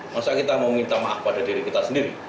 masa kita mau minta maaf pada diri kita sendiri